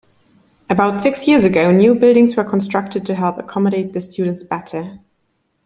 About six years ago new buildings were constructed to help accommodate the students better.